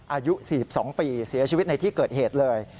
อายุ๔๒ปีเสียชีวิตในที่เกิดเหตุเลย